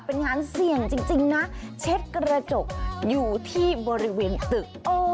เป็นงานเสี่ยงจริงนะเช็ดกระจกอยู่ที่บริเวณตึก